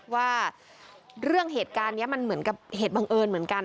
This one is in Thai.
ว่าเรื่องเหตุการณ์นี้มันเหมือนกับเหตุบังเอิญเหมือนกัน